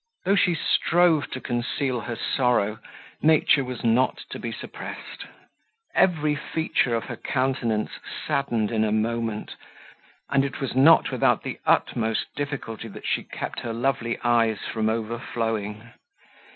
Though she strove to conceal her sorrow, nature was not to be suppressed: every feature of her countenance saddened in a moment; and it was not without the utmost difficulty that she kept her lovely eyes from overflowing.